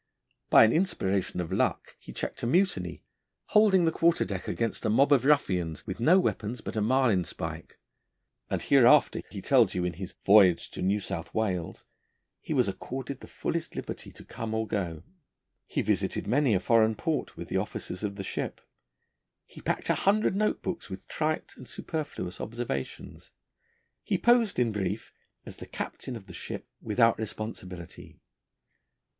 By an inspiration of luck he checked a mutiny, holding the quarter deck against a mob of ruffians with no weapon but a marline spike. And hereafter, as he tells you in his 'Voyage to New South Wales,' he was accorded the fullest liberty to come or go. He visited many a foreign port with the officers of the ship; he packed a hundred note books with trite and superfluous observations; he posed, in brief, as the captain of the ship without responsibility.